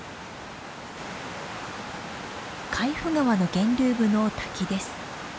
海部川の源流部の滝です。